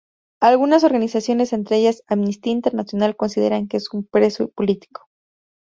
Algunas organizaciones, entre ellas Amnistía Internacional, consideran que es un preso político.